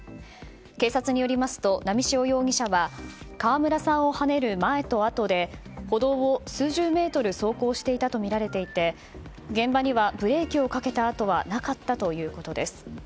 警察によりますと、波汐容疑者は川村さんをはねる前とあとで歩道を数十メートル走行していたとみられていて現場にはブレーキをかけた跡はなかったということです。